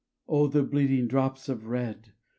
O the bleeding drops of red !